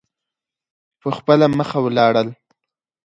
په خپله مخه ولاړل.